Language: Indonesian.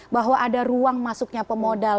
bahwa ada ruang masuknya pemodal